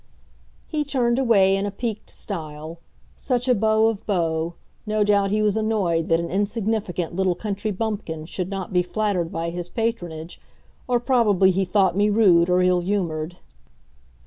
He turned away in a piqued style. Such a beau of beaux, no doubt he was annoyed that an insignificant little country bumpkin should not be flattered by his patronage, or probably he thought me rude or ill humoured.